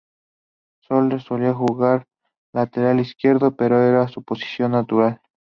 Soler solía jugar de lateral izquierdo, que era su posición natural.